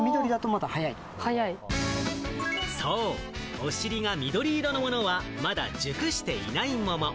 お尻が緑色のものは、まだ熟していない桃。